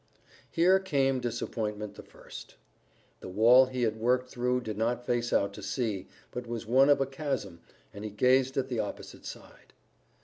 Here came disappointment the first. The wall he had worked through did not face out to sea, but was one side of a chasm, and he gazed at the opposite side.